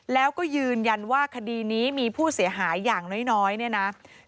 แล้วก็ยืนยันว่าคดีนี้มีผู้เสียหายอย่างน้อยเนี่ยนะ